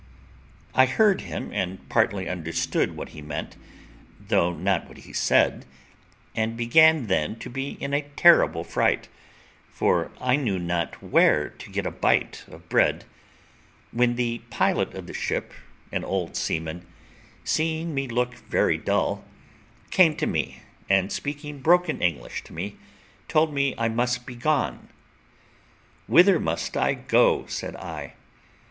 I heard him, and partly understood what he meant, though not what he said, and began then to be in a terrible fright; for I knew not where to get a bit of bread; when the pilot of the ship, an old seaman, seeing me look very dull, came to me, and speaking broken English to me, told me I must be gone. "Whither must I go?" said I.